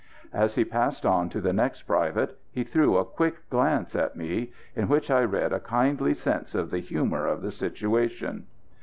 As he passed on to the next private he threw a quick glance at me, in which I read a kindly sense of the humour of the situation.